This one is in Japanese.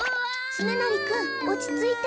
つねなりくんおちついて。